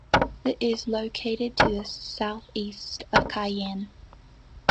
It is located to the south-east of Cayenne.